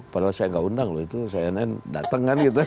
padahal saya nggak undang loh itu cnn datang kan gitu